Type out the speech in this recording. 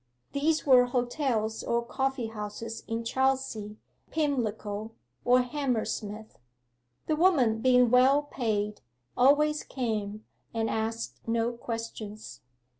These were hotels or coffee houses in Chelsea, Pimlico, or Hammersmith. The woman, being well paid, always came, and asked no questions.